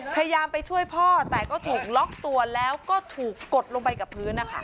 พยายามไปช่วยพ่อแต่ก็ถูกล็อกตัวแล้วก็ถูกกดลงไปกับพื้นนะคะ